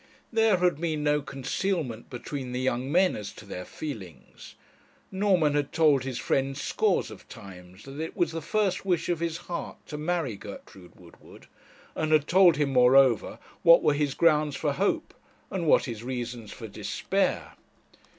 There had been no concealment between the young men as to their feelings. Norman had told his friend scores of times that it was the first wish of his heart to marry Gertrude Woodward; and had told him, moreover, what were his grounds for hope, and what his reasons for despair.